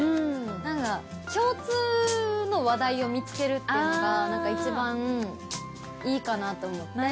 なんか共通の話題を見つけるっていうのがなんか一番いいかなって思って。